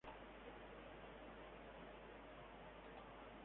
Fue bautizado según el rito ortodoxo, aunque sus padres eran ambos luteranos.